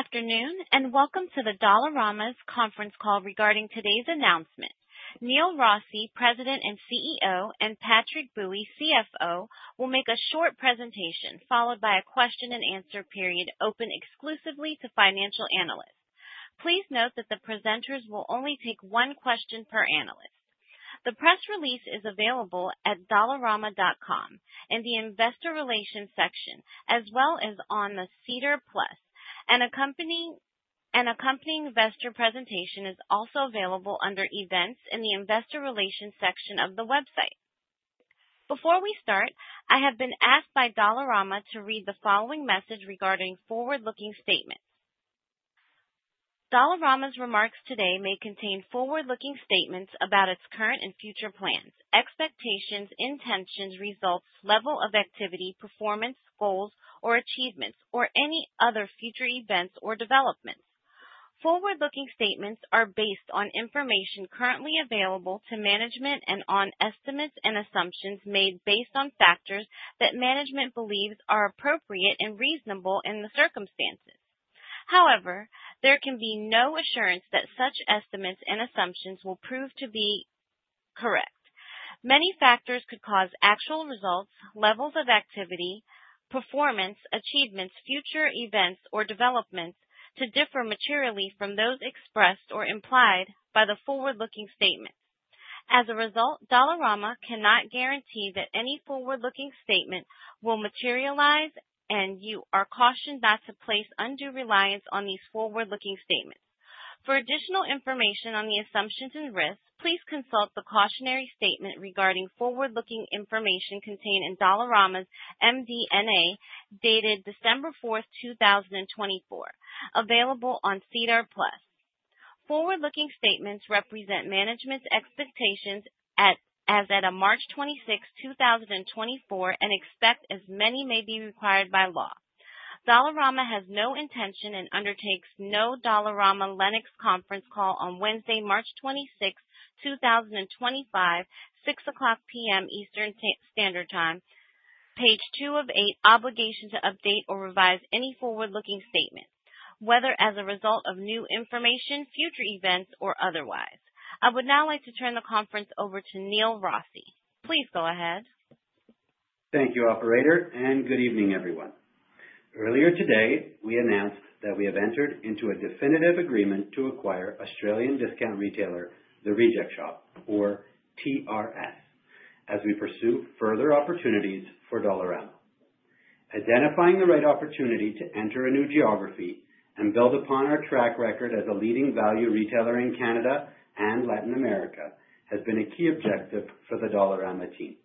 Good afternoon and welcome to Dollarama's conference call regarding today's announcement. Neil Rossy, President and CEO, and Patrick Bui, CFO, will make a short presentation followed by a question-and-answer period open exclusively to financial analysts. Please note that the presenters will only take one question per analyst. The press release is available at dollarama.com in the Investor Relations section as well as on the SEDAR+, and accompanying investor presentation is also available under Events in the Investor Relations section of the website. Before we start, I have been asked by Dollarama to read the following message regarding forward-looking statements. Dollarama's remarks today may contain forward-looking statements about its current and future plans, expectations, intentions, results, level of activity, performance, goals, or achievements, or any other future Events or developments. Forward-looking statements are based on information currently available to management and on estimates and assumptions made based on factors that management believes are appropriate and reasonable in the circumstances. However, there can be no assurance that such estimates and assumptions will prove to be correct. Many factors could cause actual results, levels of activity, performance, achievements, future Events, or developments to differ materially from those expressed or implied by the forward-looking statements. As a result, Dollarama cannot guarantee that any forward-looking statement will materialize, and you are cautioned not to place undue reliance on these forward-looking statements. For additional information on the assumptions and risks, please consult the cautionary statement regarding forward-looking information contained in Dollarama's MD&A dated December 4, 2024, available on SEDAR+. Forward-looking statements represent management's expectations as at March 26, 2024, and except as may be required by law. Dollarama has no intention and undertakes no obligation to update or revise any forward-looking statement, whether as a result of new information, future Events, or otherwise. I would now like to turn the conference over to Neil Rossy. Please go ahead. Thank you, Operator, and good evening, everyone. Earlier today, we announced that we have entered into a definitive agreement to acquire Australian discount retailer, The Reject Shop, or TRS, as we pursue further opportunities for Dollarama. Identifying the right opportunity to enter a new geography and build upon our track record as a leading value retailer in Canada and Latin America has been a key objective for the Dollarama team.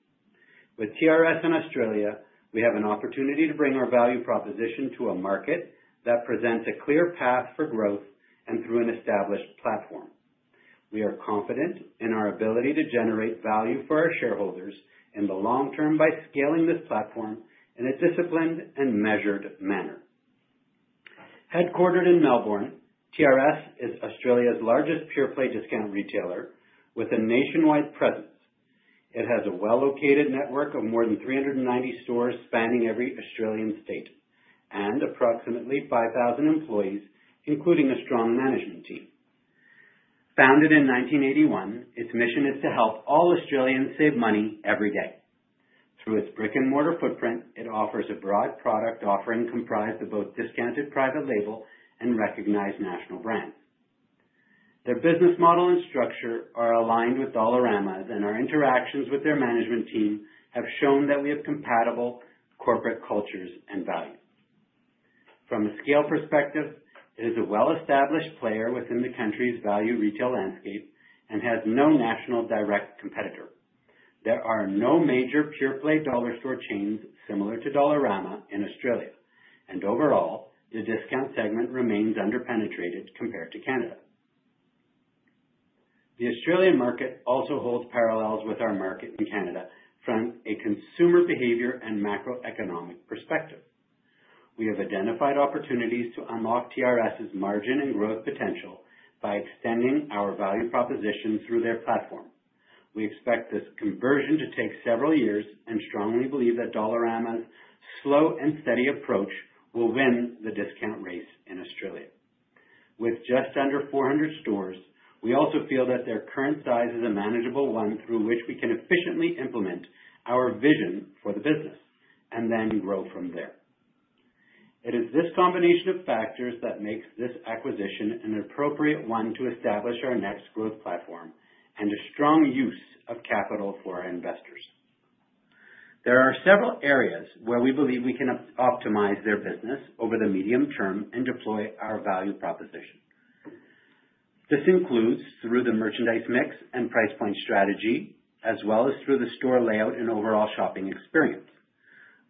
With TRS in Australia, we have an opportunity to bring our value proposition to a market that presents a clear path for growth and through an established platform. We are confident in our ability to generate value for our shareholders in the long term by scaling this platform in a disciplined and measured manner. Headquartered in Melbourne, TRS is Australia's largest pure-play discount retailer with a nationwide presence. It has a well-located network of more than 390 stores spanning every Australian state and approximately 5,000 employees, including a strong management team. Founded in 1981, its mission is to help all Australians save money every day. Through its brick-and-mortar footprint, it offers a broad product offering comprised of both discounted private label and recognized national brands. Their business model and structure are aligned with Dollarama's, and our interactions with their management team have shown that we have compatible corporate cultures and values. From a scale perspective, it is a well-established player within the country's value retail landscape and has no national direct competitor. There are no major pure-play dollar store chains similar to Dollarama in Australia, and overall, the discount segment remains under-penetrated compared to Canada. The Australian market also holds parallels with our market in Canada from a consumer behavior and macroeconomic perspective. We have identified opportunities to unlock TRS's margin and growth potential by extending our value proposition through their platform. We expect this conversion to take several years and strongly believe that Dollarama's slow and steady approach will win the discount race in Australia. With just under 400 stores, we also feel that their current size is a manageable one through which we can efficiently implement our vision for the business and then grow from there. It is this combination of factors that makes this acquisition an appropriate one to establish our next growth platform and a strong use of capital for our investors. There are several areas where we believe we can optimize their business over the medium term and deploy our value proposition. This includes through the merchandise mix and price point strategy, as well as through the store layout and overall shopping experience.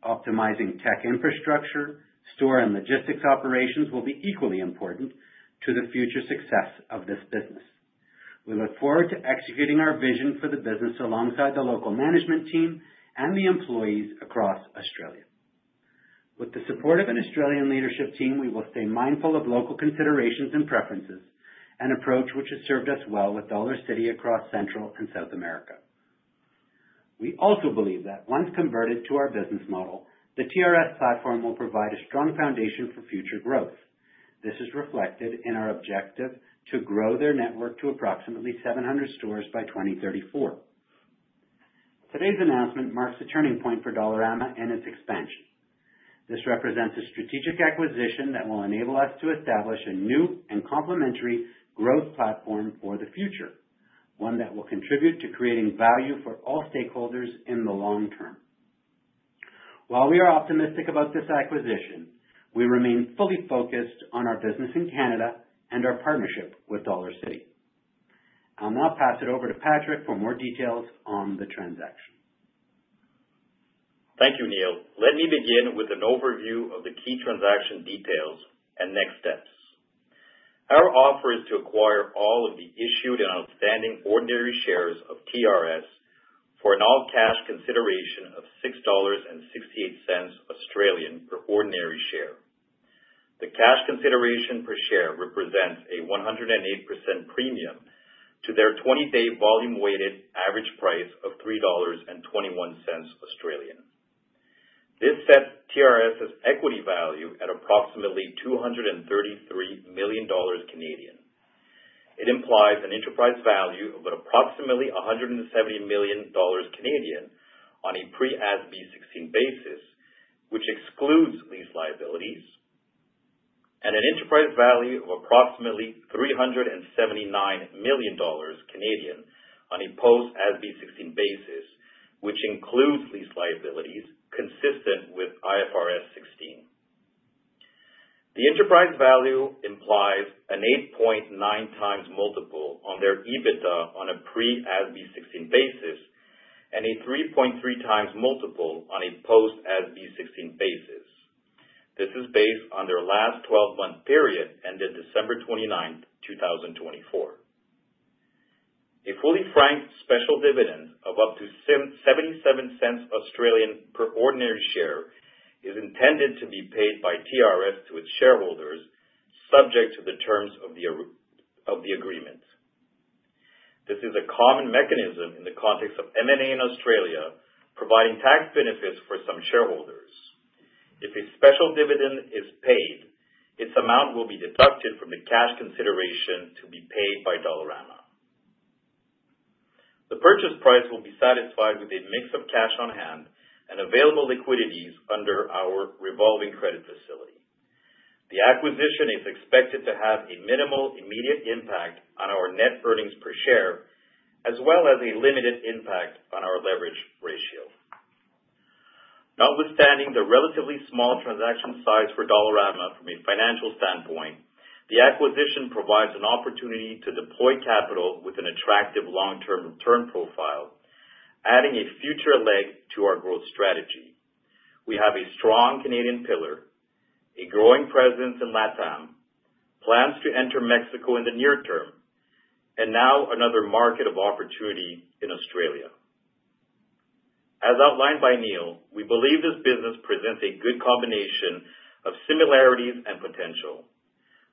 Optimizing tech infrastructure, store, and logistics operations will be equally important to the future success of this business. We look forward to executing our vision for the business alongside the local management team and the employees across Australia. With the support of an Australian leadership team, we will stay mindful of local considerations and preferences, an approach which has served us well with Dollarcity across Central and South America. We also believe that once converted to our business model, the TRS platform will provide a strong foundation for future growth. This is reflected in our objective to grow their network to approximately 700 stores by 2034. Today's announcement marks a turning point for Dollarama and its expansion. This represents a strategic acquisition that will enable us to establish a new and complementary growth platform for the future, one that will contribute to creating value for all stakeholders in the long term. While we are optimistic about this acquisition, we remain fully focused on our business in Canada and our partnership with Dollarcity. I'll now pass it over to Patrick for more details on the transaction. Thank you, Neil. Let me begin with an overview of the key transaction details and next steps. Our offer is to acquire all of the issued and outstanding ordinary shares of TRS for an all-cash consideration of 6.68 Australian dollars per ordinary share. The cash consideration per share represents a 108% premium to their 20-day volume-weighted average price of 3.21 Australian dollars. This sets TRS's equity value at approximately 233 million Canadian dollars. It implies an enterprise value of approximately 170 million Canadian dollars on a pre-AASB 16 basis, which excludes lease liabilities, and an enterprise value of approximately 379 million Canadian dollars on a post-AASB 16 basis, which includes lease liabilities consistent with IFRS 16. The enterprise value implies an 8.9 times multiple on their EBITDA on a pre-AASB 16 basis and a 3.3 times multiple on a post-AASB 16 basis. This is based on their last 12-month period ended December 29th, 2024. A fully franked special dividend of up to 0.77 per ordinary share is intended to be paid by TRS to its shareholders, subject to the terms of the agreement. This is a common mechanism in the context of M&A in Australia, providing tax benefits for some shareholders. If a special dividend is paid, its amount will be deducted from the cash consideration to be paid by Dollarama. The purchase price will be satisfied with a mix of cash on hand and available liquidities under our revolving credit facility. The acquisition is expected to have a minimal immediate impact on our net earnings per share, as well as a limited impact on our leverage ratio. Notwithstanding the relatively small transaction size for Dollarama from a financial standpoint, the acquisition provides an opportunity to deploy capital with an attractive long-term return profile, adding a future leg to our growth strategy. We have a strong Canadian pillar, a growing presence in LATAM, plans to enter Mexico in the near term, and now another market of opportunity in Australia. As outlined by Neil, we believe this business presents a good combination of similarities and potential.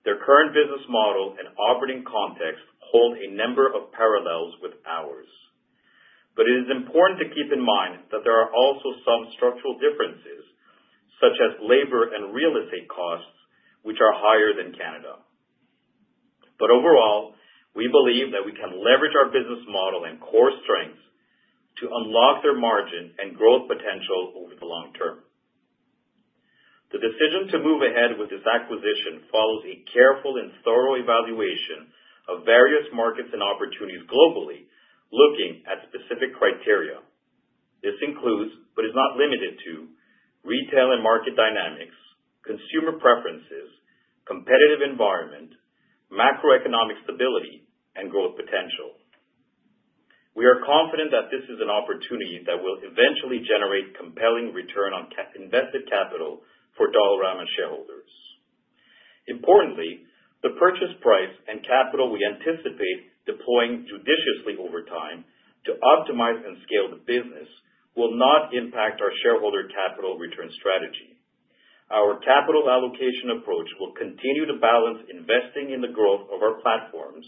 Their current business model and operating context hold a number of parallels with ours. It is important to keep in mind that there are also some structural differences, such as labor and real estate costs, which are higher than Canada. Overall, we believe that we can leverage our business model and core strengths to unlock their margin and growth potential over the long term. The decision to move ahead with this acquisition follows a careful and thorough evaluation of various markets and opportunities globally, looking at specific criteria. This includes, but is not limited to, retail and market dynamics, consumer preferences, competitive environment, macroeconomic stability, and growth potential. We are confident that this is an opportunity that will eventually generate compelling return on invested capital for Dollarama shareholders. Importantly, the purchase price and capital we anticipate deploying judiciously over time to optimize and scale the business will not impact our shareholder capital return strategy. Our capital allocation approach will continue to balance investing in the growth of our platforms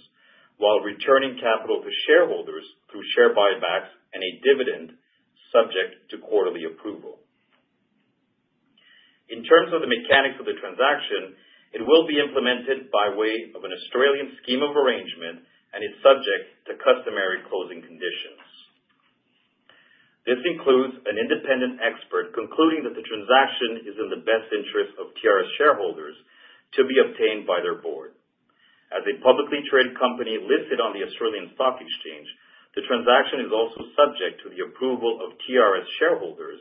while returning capital to shareholders through share buybacks and a dividend subject to quarterly approval. In terms of the mechanics of the transaction, it will be implemented by way of an Australian scheme of arrangement and is subject to customary closing conditions. This includes an independent expert concluding that the transaction is in the best interest of TRS shareholders to be obtained by their board. As a publicly traded company listed on the Australian Stock Exchange, the transaction is also subject to the approval of TRS shareholders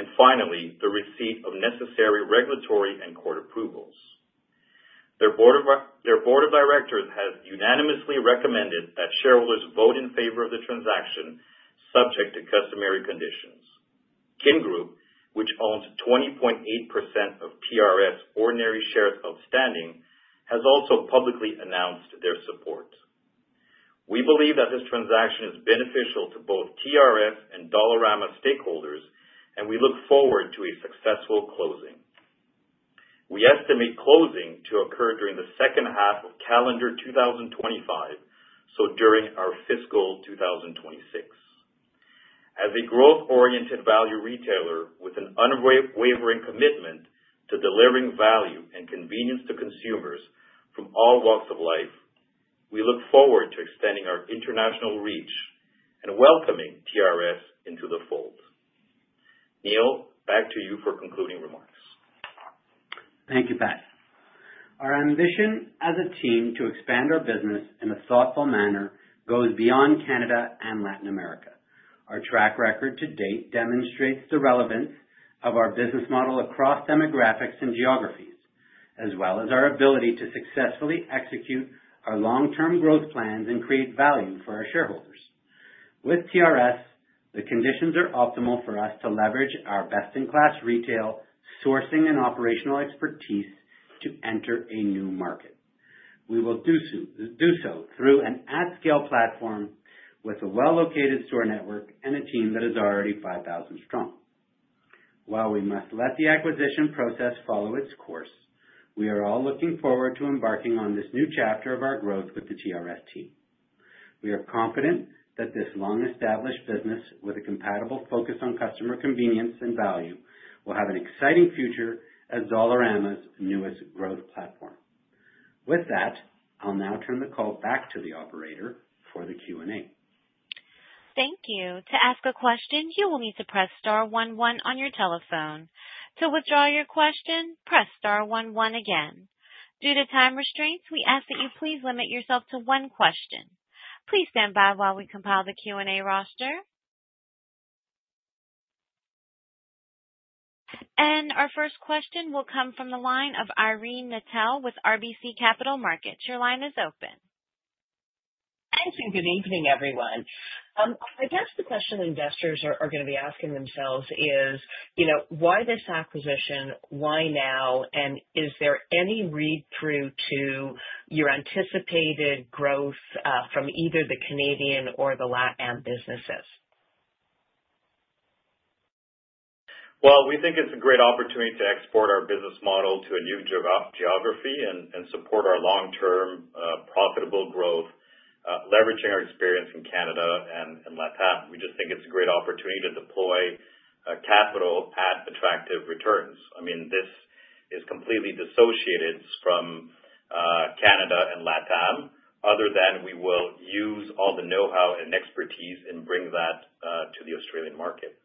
and finally, the receipt of necessary regulatory and court approvals. Their board of directors has unanimously recommended that shareholders vote in favor of the transaction, subject to customary conditions. Kin Group, which owns 20.8% of TRS ordinary shares outstanding, has also publicly announced their support. We believe that this transaction is beneficial to both TRS and Dollarama stakeholders, and we look forward to a successful closing. We estimate closing to occur during the second half of calendar 2025, so during our fiscal 2026. As a growth-oriented value retailer with an unwavering commitment to delivering value and convenience to consumers from all walks of life, we look forward to extending our international reach and welcoming TRS into the fold. Neil, back to you for concluding remarks. Thank you, Pat. Our ambition as a team to expand our business in a thoughtful manner goes beyond Canada and Latin America. Our track record to date demonstrates the relevance of our business model across demographics and geographies, as well as our ability to successfully execute our long-term growth plans and create value for our shareholders. With TRS, the conditions are optimal for us to leverage our best-in-class retail sourcing and operational expertise to enter a new market. We will do so through an at-scale platform with a well-located store network and a team that is already 5,000 strong. While we must let the acquisition process follow its course, we are all looking forward to embarking on this new chapter of our growth with the TRS team. We are confident that this long-established business with a compatible focus on customer convenience and value will have an exciting future as Dollarama's newest growth platform. With that, I'll now turn the call back to the operator for the Q&A. Thank you. To ask a question, you will need to press star one one on your telephone. To withdraw your question, press star one one again. Due to time restraints, we ask that you please limit yourself to one question. Please stand by while we compile the Q&A roster. Our first question will come from the line of Irene Nattel with RBC Capital Markets. Your line is open. Thank you. Good evening, everyone. I guess the question investors are going to be asking themselves is, why this acquisition? Why now? Is there any read-through to your anticipated growth from either the Canadian or the LATAM businesses? We think it's a great opportunity to export our business model to a new geography and support our long-term profitable growth, leveraging our experience in Canada and LATAM. We just think it's a great opportunity to deploy capital at attractive returns. I mean, this is completely dissociated from Canada and LATAM, other than we will use all the know-how and expertise and bring that to the Australian market.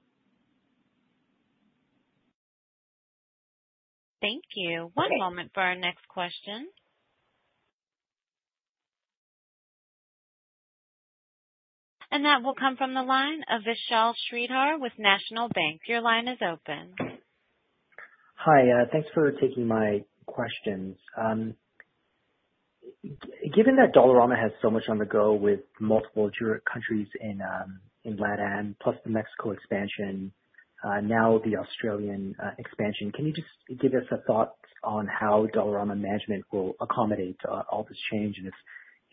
Thank you. One moment for our next question. That will come from the line of Vishal Shreedhar with National Bank. Your line is open. Hi. Thanks for taking my questions. Given that Dollarama has so much on the go with multiple countries in LATAM, plus the Mexico expansion, now the Australian expansion, can you just give us a thought on how Dollarama management will accommodate all this change and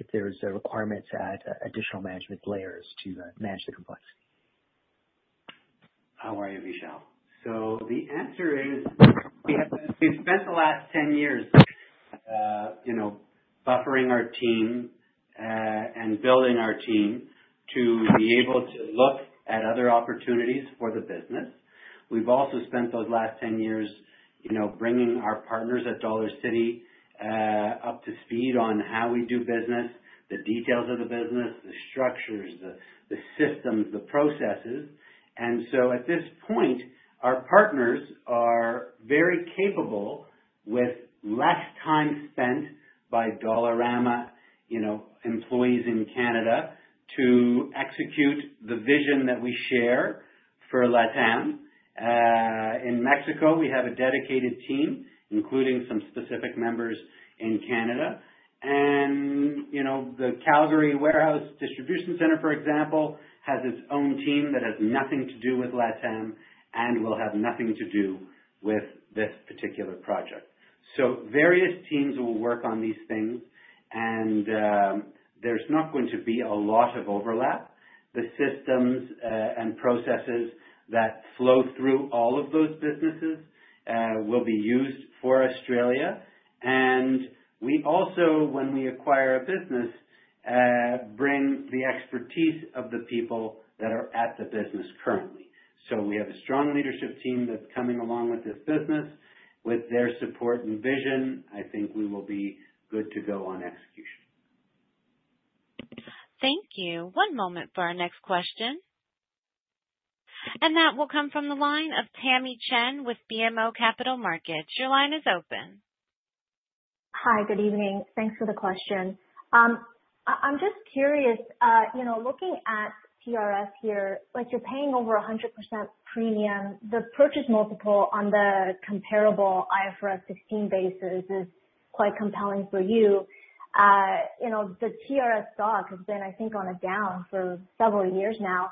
if there are requirements at additional management layers to manage the complexity? How are you, Vishal? The answer is we spent the last 10 years buffering our team and building our team to be able to look at other opportunities for the business. We have also spent those last 10 years bringing our partners at Dollarcity up to speed on how we do business, the details of the business, the structures, the systems, the processes. At this point, our partners are very capable with less time spent by Dollarama employees in Canada to execute the vision that we share for LATAM. In Mexico, we have a dedicated team, including some specific members in Canada. The Calgary Warehouse Distribution Center, for example, has its own team that has nothing to do with LATAM and will have nothing to do with this particular project. Various teams will work on these things, and there's not going to be a lot of overlap. The systems and processes that flow through all of those businesses will be used for Australia. We also, when we acquire a business, bring the expertise of the people that are at the business currently. We have a strong leadership team that's coming along with this business. With their support and vision, I think we will be good to go on execution. Thank you. One moment for our next question. That will come from the line of Tamy Chen with BMO Capital Markets. Your line is open. Hi. Good evening. Thanks for the question. I'm just curious, looking at TRS here, you're paying over 100% premium. The purchase multiple on the comparable IFRS 16 basis is quite compelling for you. The TRS stock has been, I think, on a down for several years now.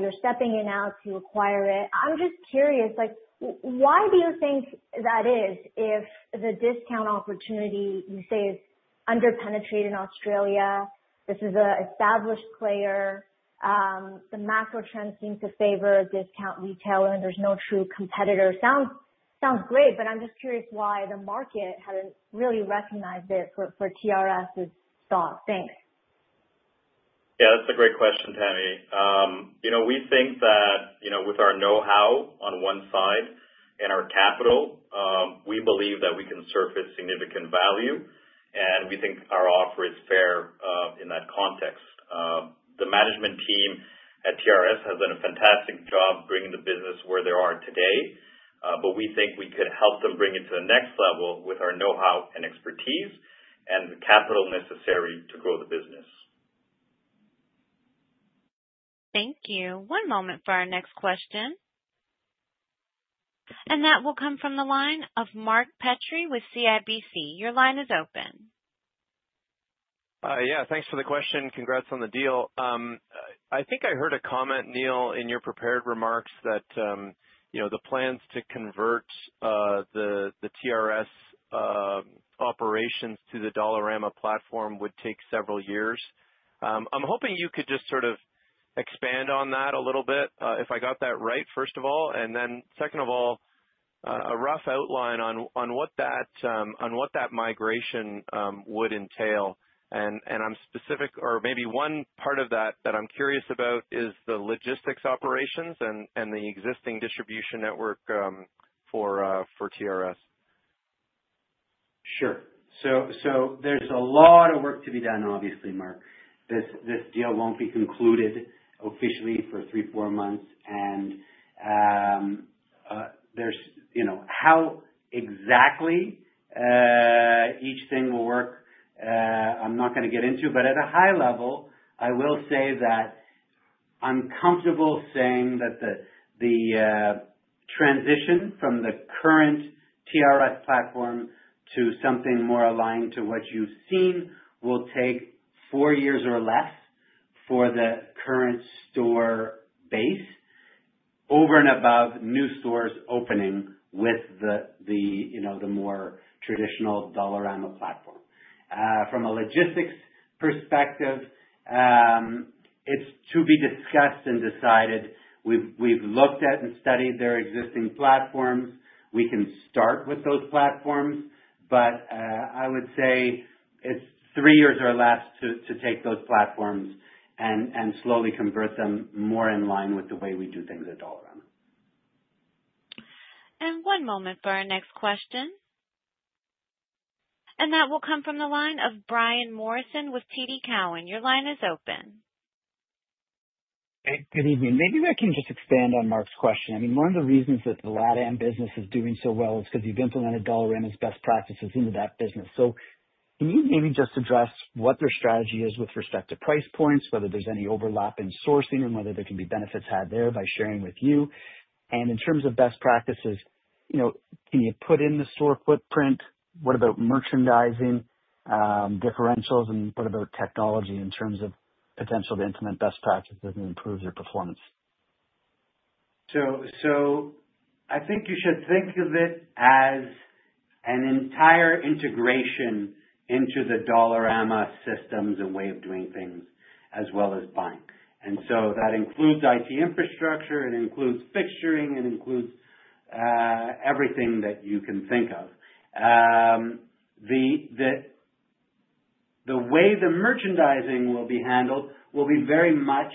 You're stepping in now to acquire it. I'm just curious, why do you think that is if the discount opportunity you say is under-penetrated in Australia? This is an established player. The macro trends seem to favor a discount retailer, and there's no true competitor. Sounds great, but I'm just curious why the market hasn't really recognized it for TRS's stock. Thanks. Yeah, that's a great question, Tammy. We think that with our know-how on one side and our capital, we believe that we can surface significant value, and we think our offer is fair in that context. The management team at TRS has done a fantastic job bringing the business where they are today, but we think we could help them bring it to the next level with our know-how and expertise and the capital necessary to grow the business. Thank you. One moment for our next question. That will come from the line of Mark Petrie with CIBC. Your line is open. Yeah. Thanks for the question. Congrats on the deal. I think I heard a comment, Neil, in your prepared remarks that the plans to convert the TRS operations to the Dollarama platform would take several years. I'm hoping you could just sort of expand on that a little bit if I got that right, first of all. Second of all, a rough outline on what that migration would entail. Maybe one part of that that I'm curious about is the logistics operations and the existing distribution network for TRS. Sure. There is a lot of work to be done, obviously, Mark. This deal will not be concluded officially for three, four months. How exactly each thing will work, I am not going to get into. At a high level, I will say that I am comfortable saying that the transition from the current TRS platform to something more aligned to what you have seen will take four years or less for the current store base over and above new stores opening with the more traditional Dollarama platform. From a logistics perspective, it is to be discussed and decided. We have looked at and studied their existing platforms. We can start with those platforms, but I would say it is three years or less to take those platforms and slowly convert them more in line with the way we do things at Dollarama. One moment for our next question. That will come from the line of Brian Morrison with TD Cowen. Your line is open. Hey, good evening. Maybe I can just expand on Mark's question. I mean, one of the reasons that the LATAM business is doing so well is because you've implemented Dollarama's best practices into that business. Can you maybe just address what their strategy is with respect to price points, whether there's any overlap in sourcing, and whether there can be benefits had there by sharing with you? In terms of best practices, can you put in the store footprint? What about merchandising differentials? What about technology in terms of potential to implement best practices and improve your performance? I think you should think of it as an entire integration into the Dollarama systems and way of doing things as well as buying. That includes IT infrastructure. It includes fixturing. It includes everything that you can think of. The way the merchandising will be handled will be very much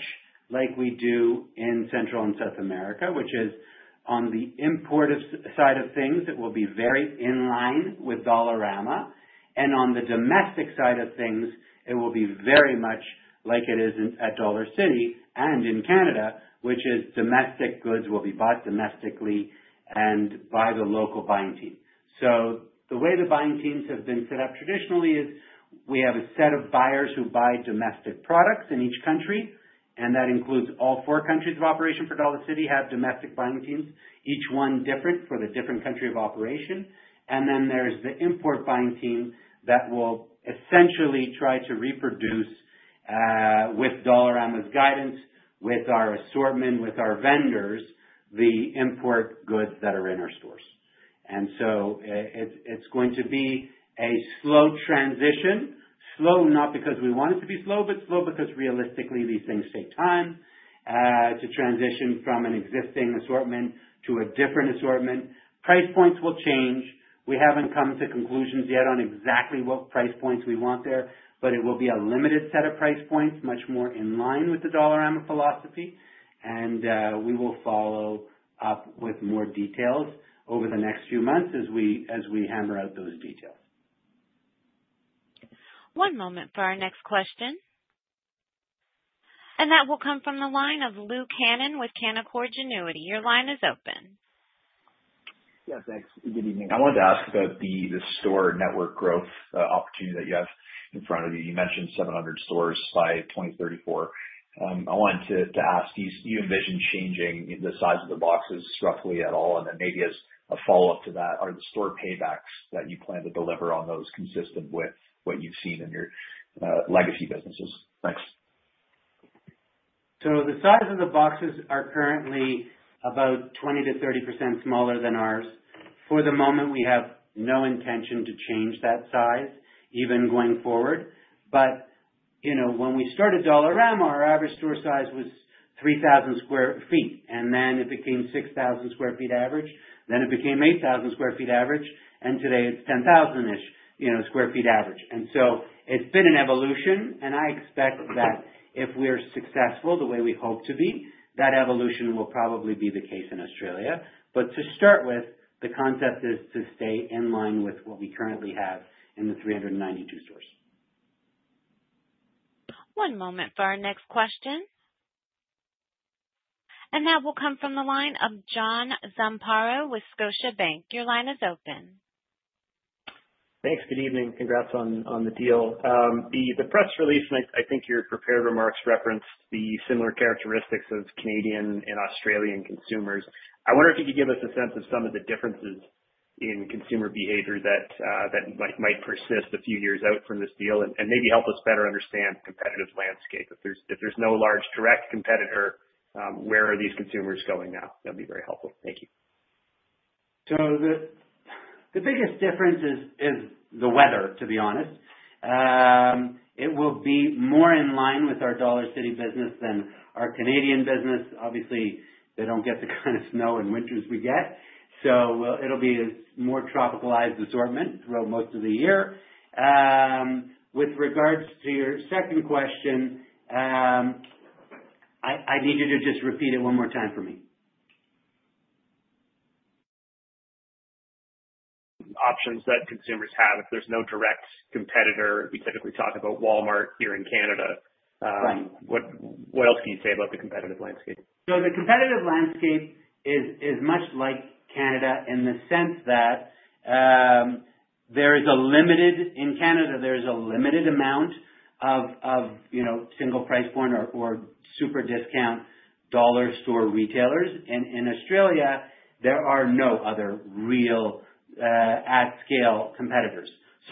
like we do in Central and South America, which is on the import side of things, it will be very in line with Dollarama. On the domestic side of things, it will be very much like it is at Dollarcity and in Canada, which is domestic goods will be bought domestically and by the local buying team. The way the buying teams have been set up traditionally is we have a set of buyers who buy domestic products in each country. That includes all four countries of operation for Dollarcity have domestic buying teams, each one different for the different country of operation. There is the import buying team that will essentially try to reproduce with Dollarama's guidance, with our assortment, with our vendors, the import goods that are in our stores. It is going to be a slow transition. Slow, not because we want it to be slow, but slow because realistically these things take time to transition from an existing assortment to a different assortment. Price points will change. We have not come to conclusions yet on exactly what price points we want there, but it will be a limited set of price points, much more in line with the Dollarama philosophy. We will follow up with more details over the next few months as we hammer out those details. One moment for our next question. That will come from the line of Luke Hannan with Canaccord Genuity. Your line is open. Yes, thanks. Good evening. I wanted to ask about the store network growth opportunity that you have in front of you. You mentioned 700 stores by 2034. I wanted to ask, do you envision changing the size of the boxes roughly at all? Maybe as a follow-up to that, are the store paybacks that you plan to deliver on those consistent with what you've seen in your legacy businesses? Thanks. The size of the boxes are currently about 20%-30% smaller than ours. For the moment, we have no intention to change that size even going forward. When we started Dollarama, our average store size was 3,000 sq ft. Then it became 6,000 sq ft average. Then it became 8,000 sq ft average. Today it's 10,000-ish sq ft average. It's been an evolution. I expect that if we're successful the way we hope to be, that evolution will probably be the case in Australia. To start with, the concept is to stay in line with what we currently have in the 392 stores. One moment for our next question. That will come from the line of John Zamparo with Scotiabank. Your line is open. Thanks. Good evening. Congrats on the deal. The press release, and I think your prepared remarks referenced the similar characteristics of Canadian and Australian consumers. I wonder if you could give us a sense of some of the differences in consumer behavior that might persist a few years out from this deal and maybe help us better understand the competitive landscape. If there's no large direct competitor, where are these consumers going now? That'd be very helpful. Thank you. The biggest difference is the weather, to be honest. It will be more in line with our Dollarcity business than our Canadian business. Obviously, they don't get the kind of snow and winters we get. It will be a more tropicalized assortment throughout most of the year. With regards to your second question, I need you to just repeat it one more time for me. Options that consumers have. If there's no direct competitor, we typically talk about Walmart here in Canada. What else can you say about the competitive landscape? The competitive landscape is much like Canada in the sense that there is a limited, in Canada, there is a limited amount of single price point or super discount dollar store retailers. In Australia, there are no other real at-scale competitors.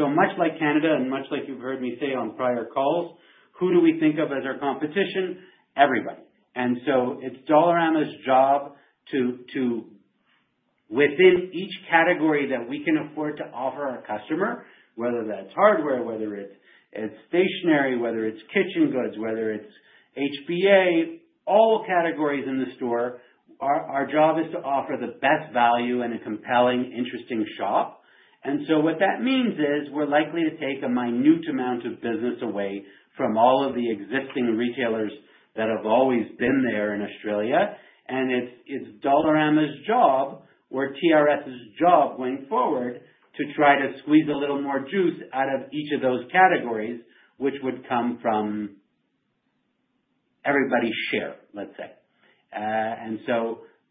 Much like Canada and much like you've heard me say on prior calls, who do we think of as our competition? Everybody. It is Dollarama's job to, within each category that we can afford to offer our customer, whether that's hardware, whether it's stationery, whether it's kitchen goods, whether it's HBA, all categories in the store, our job is to offer the best value and a compelling, interesting shop. What that means is we're likely to take a minute amount of business away from all of the existing retailers that have always been there in Australia. It is Dollarama's job or TRS's job going forward to try to squeeze a little more juice out of each of those categories, which would come from everybody's share, let's say.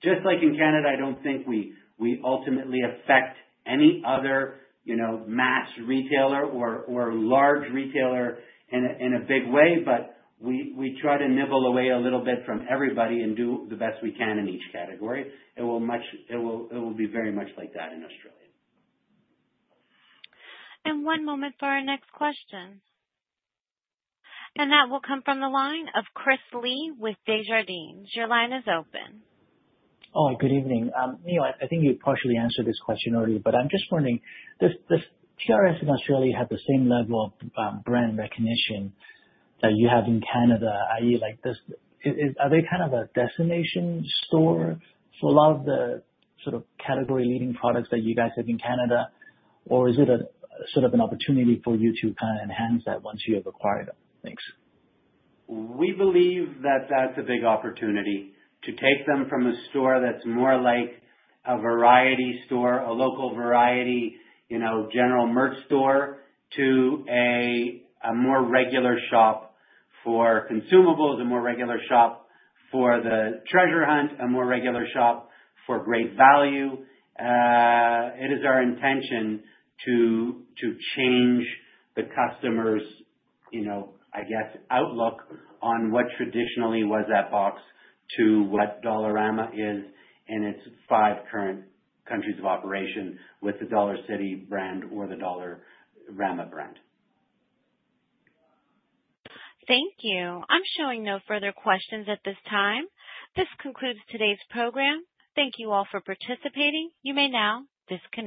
Just like in Canada, I do not think we ultimately affect any other mass retailer or large retailer in a big way, but we try to nibble away a little bit from everybody and do the best we can in each category. It will be very much like that in Australia. One moment for our next question. That will come from the line of Chris Li with Desjardins. Your line is open. Oh, good evening. Neil, I think you partially answered this question already, but I'm just wondering, does TRS in Australia have the same level of brand recognition that you have in Canada, i.e., are they kind of a destination store for a lot of the sort of category-leading products that you guys have in Canada, or is it sort of an opportunity for you to kind of enhance that once you have acquired them? Thanks. We believe that that's a big opportunity to take them from a store that's more like a variety store, a local variety, general merch store, to a more regular shop for consumables, a more regular shop for the treasure hunt, a more regular shop for great value. It is our intention to change the customer's, I guess, outlook on what traditionally was that box to what Dollarama is in its five current countries of operation with the Dollarcity brand or the Dollarama brand. Thank you. I'm showing no further questions at this time. This concludes today's program. Thank you all for participating. You may now disconnect.